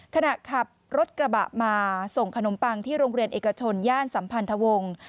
ขณะขับรถกระบะมาส่งขนมปังที่โรงเรียนเอกชนย่านสัมพันธวงศ์